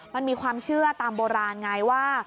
มันมีความเชื่อตามโบราณไงว่า